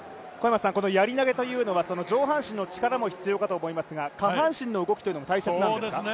やり投というのは上半身の力も必要かと思いますが、下半身の動きというのも大切なんですか。